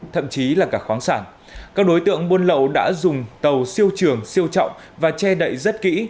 thậm chí là cả khoáng sản các đối tượng buôn lậu đã dùng tàu siêu trường siêu trọng và che đậy rất kỹ